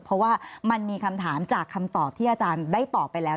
เพราะว่ามันมีคำถามจากคำตอบที่อาจารย์ได้ตอบไปแล้ว